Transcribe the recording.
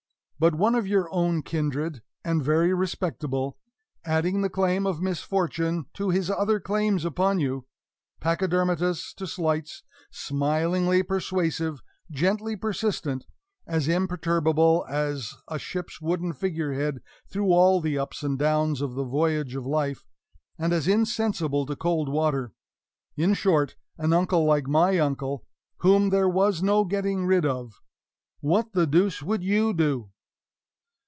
But one of your own kindred, and very respectable, adding the claim of misfortune to his other claims upon you pachydermatous to slights, smilingly persuasive, gently persistent as imperturbable as a ship's wooden figurehead through all the ups and downs of the voyage of life, and as insensible to cold water in short, an uncle like my uncle, whom there was no getting rid of what the deuce would you do?